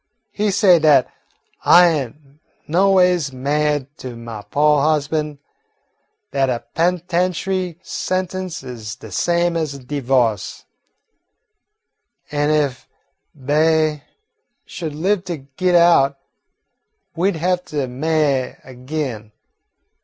"He say dat I ain't noways ma'ied to my po' husban', dat a pen'tentiary sentence is de same as a divo'ce, an' if Be'y should live to git out, we 'd have to ma'y ag'in.